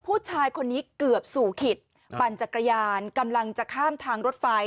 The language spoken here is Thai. ผู้ชายคนนี้เกือบสู่ขิตปั่นจักรยานกำลังจะข้ามทางรถไฟ